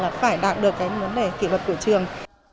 là phải đạt được cái vấn đề kỷ luật của trường